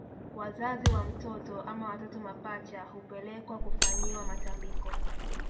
Wazazi wa mtoto ama watoto mapacha hupelekwa kufanyiwa matambiko